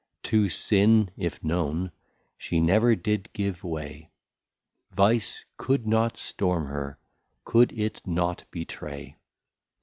To Sin, if known, she never did give way, Vice could not Storm her, could it not betray.